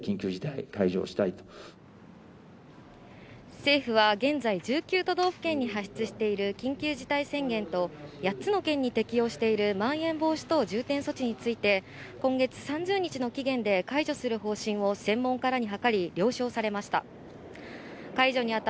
政府は現在１９都道府県に発出している緊急事態宣言と、８つの県に適用しているまん延防止等重点措置について、今月３０日の期限で解除する方針を専門家らに諮り、了承されました。